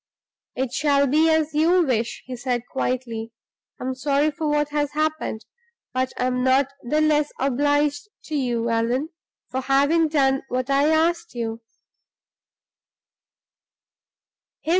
"It shall be as you wish," he said, quietly. "I am sorry for what has happened; but I am not the less obliged to you, Allan, for having done what I asked you."